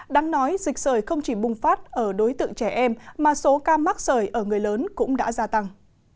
đáng nói dịch sởi không chỉ bùng phát ở đối tượng trẻ em mà số ca mắc sởi ở người lớn cũng đã gia tăng